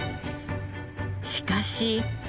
しかし。